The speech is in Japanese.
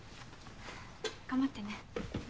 頑張ってね。